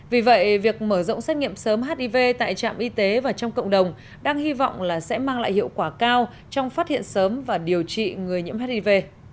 vì vậy việc mở rộng xét nghiệm sớm hiv tại trạm y tế và trong cộng đồng đang hy vọng là sẽ mang lại hiệu quả cao trong phát hiện sớm và điều trị người nhiễm hiv